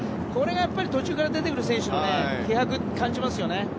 これがやっぱり途中から出てくる選手の気迫を感じますよね。